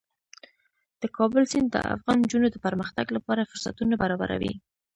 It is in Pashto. د کابل سیند د افغان نجونو د پرمختګ لپاره فرصتونه برابروي.